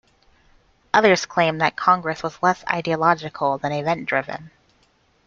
Others claim that Congress was less ideological than event driven.